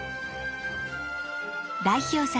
代表作